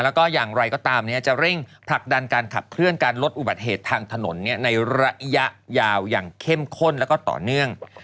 แล้วก็อย่างไรก็ตามจะเร่งผลักดันการขับเคลื่อนการลดอุบัติเหตุทางถนนในระยะยาวอย่างเข้มข้นแล้วก็ต่อเนื่อง